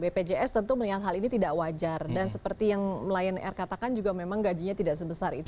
bpjs tentu melihat hal ini tidak wajar dan seperti yang lion air katakan juga memang gajinya tidak sebesar itu